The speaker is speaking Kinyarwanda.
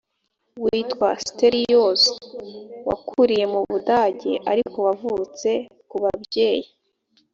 witwa stelios wakuriye mu budage ariko wavutse ku babyeyi